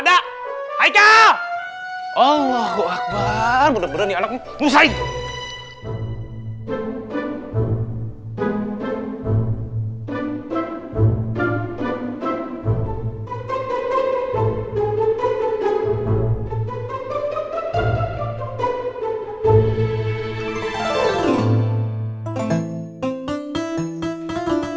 tapi toh fetih nggak sih that dong yang tapi membuat eksen central antes itu ragam way